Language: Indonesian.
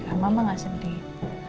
enggak mama gak sedih